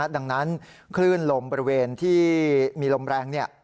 ดังนั้นคลื่นลมบริเวณที่มีลมแรง